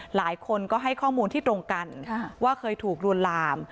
หลายคนก็ให้ข้อมูลที่ตรงกันว่าเคยถูกลวนลาม